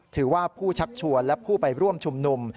ถือว่าผู้ชักชวนและผู้ไปร่วมชุมนุม